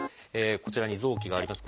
こちらに臓器があります。